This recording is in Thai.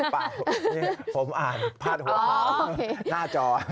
เปล่าผมอ่านพลาดหัวขาวหน้าจอ